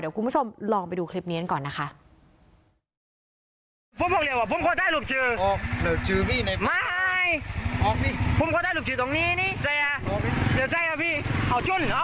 คุณผู้ชมลองไปดูคลิปนี้กันก่อนนะคะ